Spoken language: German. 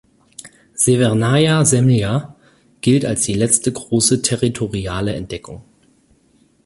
Sewernaja Semlja gilt als die letzte große territoriale Entdeckung.